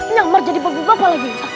nyamar jadi bagi bapak lagi